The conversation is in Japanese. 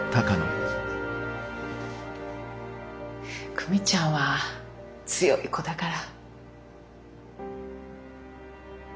久美ちゃんは強い子だから。